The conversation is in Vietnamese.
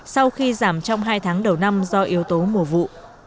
sau khi giảm trong hai tháng đầu năm do yếu tố mùa vụ